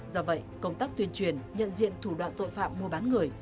do vậy công tác tuyên truyền nhận diện thủ đoạn tội phạm mua bán người